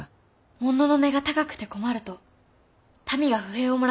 物の値が高くて困ると民が不平を漏らしておりました。